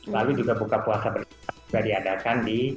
lalu juga buka puasa bersama juga di adana